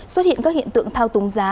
xuất hiện các hiện tượng thao túng giá